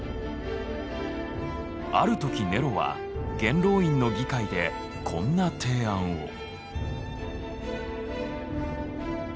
ある時ネロは元老院の議会でこんな提案を。